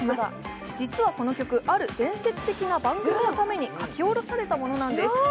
実はこの曲、ある伝説的な番組のために書き下ろされたものです。